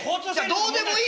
どうでもいいよ